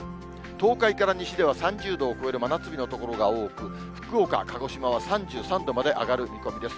東海から西では３０度を超える真夏日の所が多く、福岡、鹿児島は３３度まで上がる見込みです。